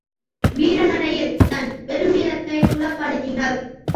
வீர நடையில் தன் பெருமிதத்தைப் புலப்படுத்தினர்.